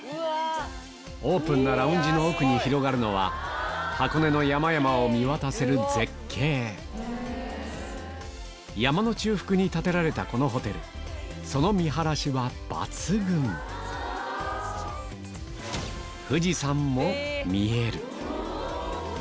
オープンなラウンジの奥に広がるのは箱根の山々を見渡せる絶景山の中腹に建てられたこのホテルその見晴らしは抜群見える！